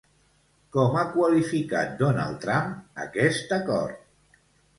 Com ha qualificat Donald Trump aquest acord?